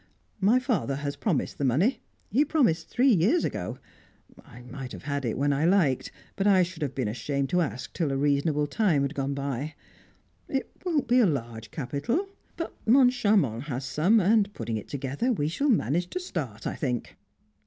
"My father has promised the money. He promised it three years ago. I might have had it when I liked; but I should have been ashamed to ask till a reasonable time had gone by. It won't be a large capital, but Moncharmont has some, and putting it together, we shall manage to start, I think."